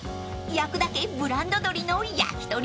［焼くだけブランド鶏の焼き鳥］